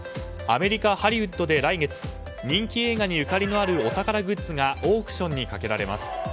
アメリカ・ハリウッドで来月人気映画にゆかりのあるお宝グッズがオークションにかけられます。